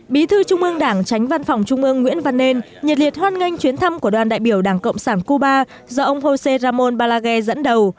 bí thư trung mương đảng tránh văn phòng trung mương nguyễn văn nên nhiệt liệt hoan nghênh chuyến thăm của đoàn đại biểu đảng cộng sản cuba do ông josé ramón balaguer dẫn đầu